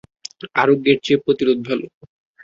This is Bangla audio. আরোগ্যের চেয়ে প্রতিরোধ ভালো।